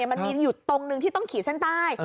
มันมีอยู่ตรงหนึ่งที่ต้องขีดเส้นใต้